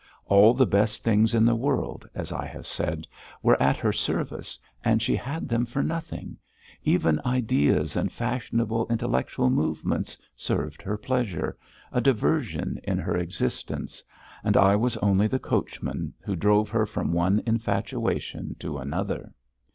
All the best things in the world, as I have said, were at her service, and she had them for nothing; even ideas and fashionable intellectual movements served her pleasure, a diversion in her existence, and I was only the coachman who drove her from one infatuation to another.